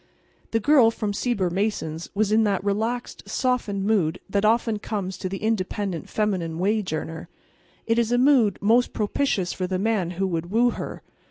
The Girl from Sieber Mason's was in that relaxed, softened mood that often comes to the independent feminine wage earner. It is a mood most propitious for the man who would woo her.